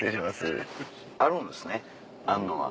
あるんですねあるのは。